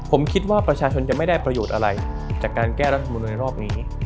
ผมคิดว่าประชาชนจะไม่ได้ประโยชน์อะไรจากการแก้รัฐมนุนในรอบนี้